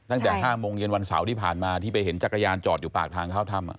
ตั้งแต่๕โมงเย็นวันเสาร์ที่ผ่านมาที่ไปเห็นจักรยานจอดอยู่ปากทางเข้าถ้ำ